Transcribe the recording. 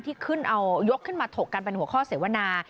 ที่ขึ้นเอายกขึ้นมาถกกันเป็นหัวข้อเสวนา